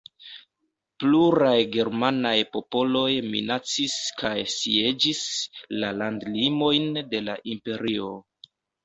Pluraj ĝermanaj popoloj minacis kaj sieĝis la landlimojn de la Imperio.